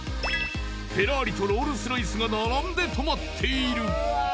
［フェラーリとロールス・ロイスが並んで止まっている］